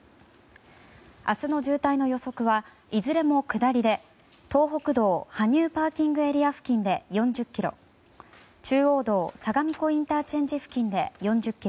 明日の渋滞の予測はいずれも下りで東北道・羽生ＰＡ付近で４０ｋｍ中央道・相模湖ＩＣ付近で４０ｋｍ